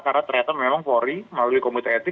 karena ternyata memang polri melalui komite etik